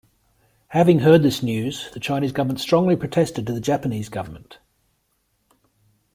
Having heard this news the Chinese government strongly protested to the Japanese government.